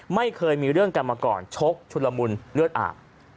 ไม่เคยมีเรื่องกันมาก่อนชกชุลมุนเลือดอาบ